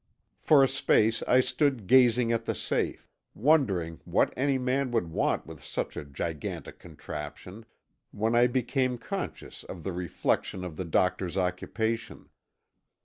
For a space I stood gazing at the safe, wondering what any man would want with such a gigantic contraption when I became conscious of the reflection of the doctor's occupation.